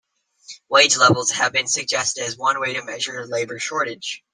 Wage levels have been suggested as one way to measure a labour shortage.